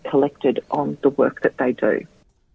menurut leukemia foundation kanker darah adalah salah satu cleaning ab audio